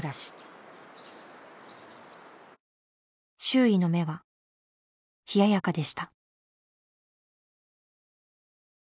周囲の目は冷ややかでした。